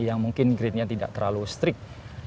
yang mungkin gridnya tidak terlalu strict